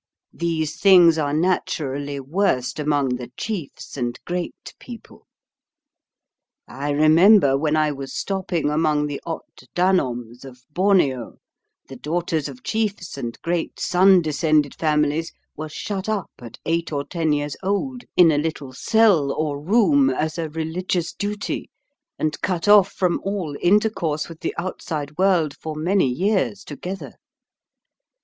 These things are naturally worst among the chiefs and great people. I remember when I was stopping among the Ot Danoms of Borneo, the daughters of chiefs and great sun descended families were shut up at eight or ten years old, in a little cell or room, as a religious duty, and cut off from all intercourse with the outside world for many years together.